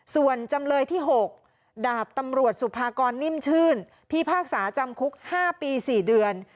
ส่วนจำเลยที่๖ดาบตำรวจสุภากรนิ่มชื่นพิพากษาจำคุก๕ปี๔เดือน